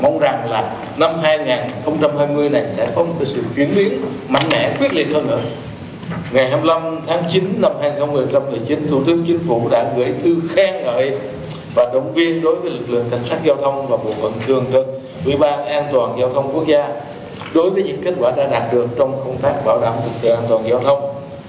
ngày hai mươi năm tháng chín năm hai nghìn một mươi chín thủ tướng chính phủ đã gửi thư khen ngợi và động viên đối với lực lượng thành sát giao thông và bộ quận thường cận ubndgqg đối với những kết quả đã đạt được trong công tác bảo đảm thực tế an toàn giao thông